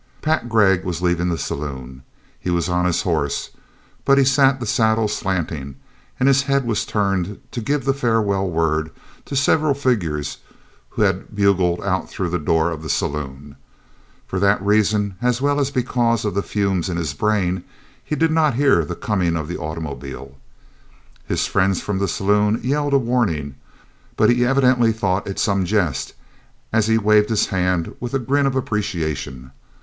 Pat Gregg was leaving the saloon; he was on his horse, but he sat the saddle slanting, and his head was turned to give the farewell word to several figures who bulged through the door of the saloon. For that reason, as well as because of the fumes in his brain, he did not hear the coming of the automobile. His friends from the saloon yelled a warning, but he evidently thought it some jest, as he waved his hand with a grin of appreciation.